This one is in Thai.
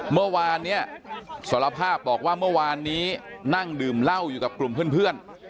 เมื่อวานเนี่ยสารภาพบอกว่าเมื่อวานนี้นั่งดื่มเหล้าอยู่กับกลุ่มเพื่อน